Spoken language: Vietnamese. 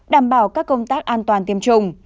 đảm bảo các công tác an toàn tiêm chủng